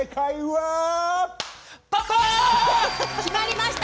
決まりました